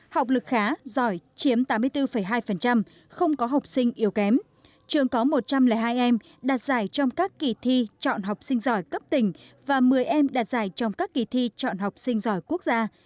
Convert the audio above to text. học lực khá giỏi chiếm tám mươi bốn hai không có học sinh yếu kém trường có một trăm linh hai em đạt giải trong các kỳ thi chọn học sinh giỏi cấp tỉnh và một mươi em đạt giải trong các kỳ thi chọn học sinh giỏi quốc gia